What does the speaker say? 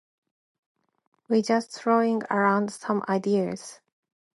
We just throwing around some ideas.